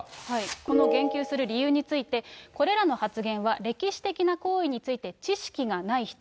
この言及する理由について、これらの発言は、歴史的な行為について知識がない人。